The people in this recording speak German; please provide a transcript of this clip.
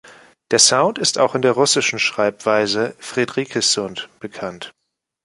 Der Sound ist auch in der russischen Schreibweise „Fridrikhe Zund“ bekannt.